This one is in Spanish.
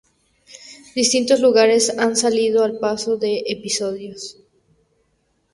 Distintos lugares han salido al paso de episodios.